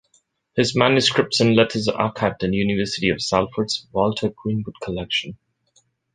His manuscripts and letters are archived in the University of Salford's Walter Greenwood Collection.